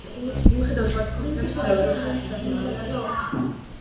მიუხედავად მათი ქორწინების ხანგრძლივობისა, ის საკმაოდ უიღბლო იყო.